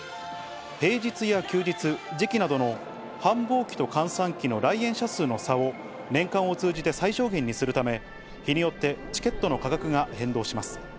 平日や休日、時期などの繁忙期と閑散期の来園者数の差を年間を通じて最小限にするため、日によってチケットの価格が変動します。